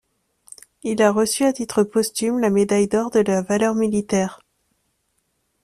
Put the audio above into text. Il a reçu à titre posthume la médaille d'or de la valeur militaire.